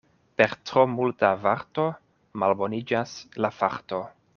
Per tro multa varto malboniĝas la farto.